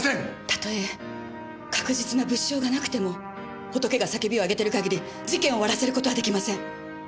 たとえ確実な物証がなくてもホトケが叫びを上げてる限り事件を終わらせることは出来ません。